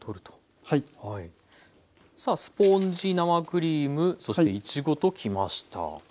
さあスポンジ生クリームそしていちごときました。